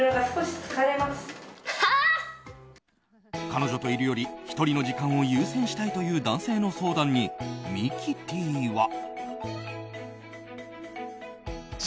彼女といるより１人の時間を優先したいという男性の相談に、ミキティは。